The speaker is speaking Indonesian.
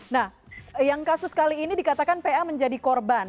nah yang kasus kali ini dikatakan pa menjadi korban